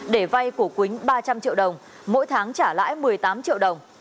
để vay của quýnh ba trăm linh triệu đồng mỗi tháng trả lãi một mươi tám triệu đồng